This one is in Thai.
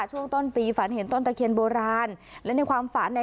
ช่วงต้นปีฝันเห็นต้นตะเคียนโบราณและในความฝันเนี่ย